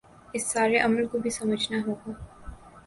اس سارے عمل کو بھی سمجھنا ہو گا